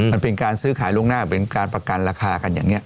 มันเป็นการซื้อขายล่วงหน้าเป็นการประกันราคากันอย่างนี้